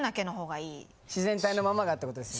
自然体のままがって事ですよね？